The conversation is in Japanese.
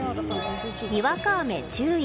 にわか雨注意。